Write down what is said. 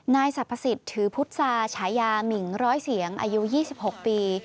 นายสรรพสิทธิ์ถือพุทธศาฉายามิ่งร้อยเสียงอายุ๒๖ปี